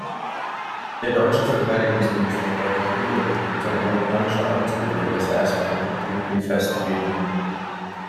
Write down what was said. Der deutsche Verteidigungsminister Volker Rühe und sein amerikanischer Amtskollege Les Aspin hielten die Festreden.